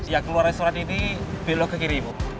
ya keluar restoran ini belok ke kiri ibu